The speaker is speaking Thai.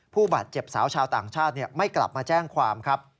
ผู้บาดเจ็บสาวชาวต่างชาติไม่กลับมาแจ้งความครับ